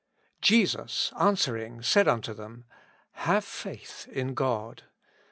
Jesus^ answering, said unto thetn, HAVE FAITH IN GoD.